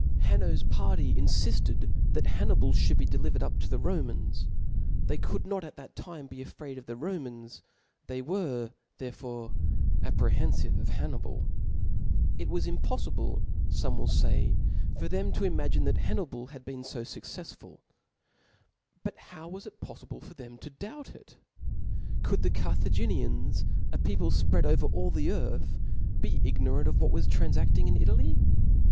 Hanno's party infifted that Hapnii}^ (hould be delivered up to the Romans ^. They could not at that time )>c |fraid of the Romans^ the/ were therefore apprehenfive of Hannibal. It was impoifiljle, fome will fay, for thecp to imagine that Hannibal had been fo fqccefsfult But how wajs it pofTible for them to doubt of it ? Could the Carthaginians, a people fpread over all the earthi be ignorant of what was tranfafting in Italy